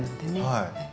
はい。